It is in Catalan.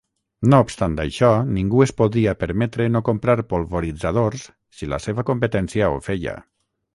No obstant això, ningú es podia permetre no comprar polvoritzadors si la seva competència ho feia.